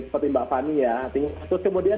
seperti mbak fani ya terus kemudian